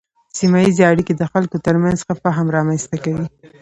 سیمه ایزې اړیکې د خلکو ترمنځ ښه فهم رامنځته کوي.